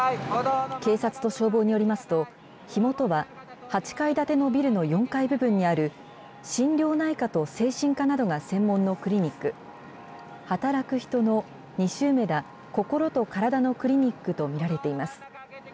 警察と消防によりますと、火元は、８階建てのビルの４階部分にある心療内科と精神科などが専門のクリニック、働く人の西梅田こころとからだのクリニックと見られています。